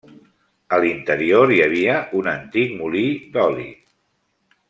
A l'interior hi havia un antic molí d'oli.